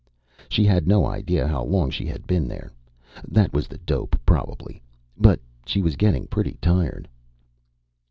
She had no idea how long she had been here that was the dope, probably but she was getting pretty tired.